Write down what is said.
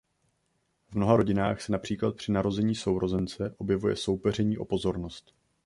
V mnoha rodinách se například při narození sourozence objevuje soupeření o pozornost.